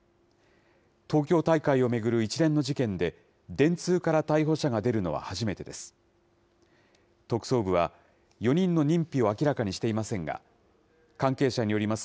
東京大会を巡る一連の事件で、電通から逮捕者が出るのは初めてです。